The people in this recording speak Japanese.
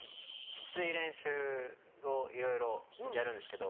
きつい練習をいろいろやるんですけど。